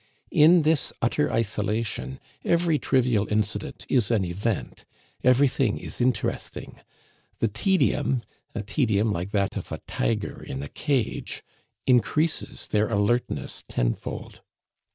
In this utter isolation every trivial incident is an event, everything is interesting; the tedium a tedium like that of a tiger in a cage increases their alertness tenfold.